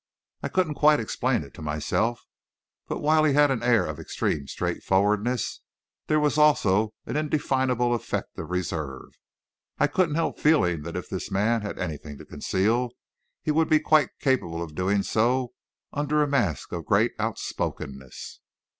I couldn't quite explain it to myself, but while he had an air of extreme straightforwardness, there was also an indefinable effect of reserve. I couldn't help feeling that if this man had anything to conceal, he would be quite capable of doing so under a mask of great outspokenness.